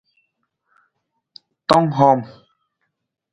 Tong hom.